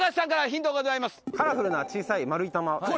カラフルな小さい丸い玉。